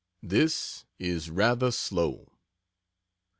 This is rather slow.